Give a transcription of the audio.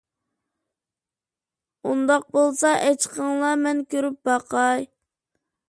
ئۇنداق بولسا ئاچىقىڭلار، مەن كۆرۈپ باقاي.